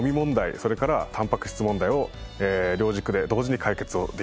それからタンパク質問題を両軸で同時に解決をできると。